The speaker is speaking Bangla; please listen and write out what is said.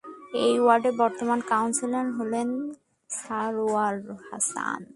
এ ওয়ার্ডের বর্তমান কাউন্সিলর হলেন সারোয়ার হাসান।